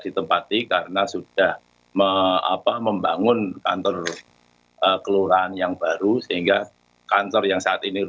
ditempati karena sudah membangun kantor kelurahan yang baru sehingga kantor yang saat ini